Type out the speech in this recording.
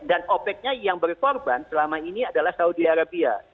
dan opec nya yang berkorban selama ini adalah saudi arabia